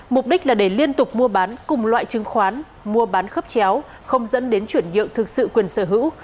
mục đích là để liên tục mua bán cùng loại chứng khoán mua bán khấp chéo không dẫn đến chuyển nhượng thực sự quyền sở hữu